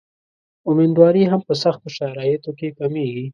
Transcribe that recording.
امیندواري هم په سختو شرایطو کې کمېږي.